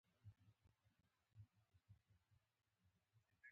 دا استشهاديه عمليات دي دا شهادت غوښتنه ده.